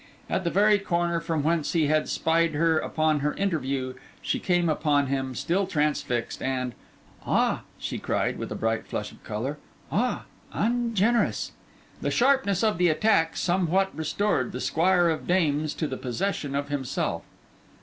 At the very corner from whence he had spied upon her interview, she came upon him, still transfixed, and—'Ah!' she cried, with a bright flush of colour. 'Ah! Ungenerous!' The sharpness of the attack somewhat restored the Squire of Dames to the possession of himself.